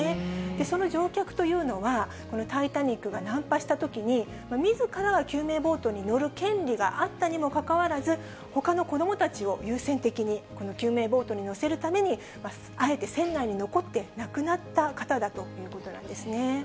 その乗客というのは、このタイタニックが難破したときに、みずからが救命ボートに乗る権利があったにもかかわらず、ほかの子どもたちを優先的に救命ボートに乗せるために、あえて船内に残って、亡くなった方だということなんですね。